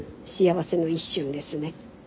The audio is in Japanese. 幸せの一瞬ですね。